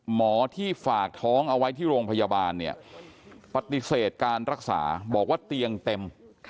หมอที่ฝากท้องเอาไว้ที่โรงพยาบาลเนี่ยปฏิเสธการรักษาบอกว่าเตียงเต็ม